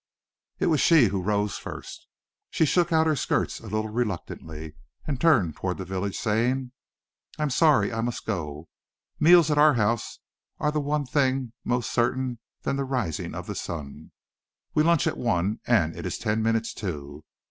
It was she who rose first. She shook out her skirts a little reluctantly, and turned toward the village, saying: "I am sorry, but I must go. Meals at our house are the one thing more certain than the rising of the sun. We lunch at one, and it is ten minutes to.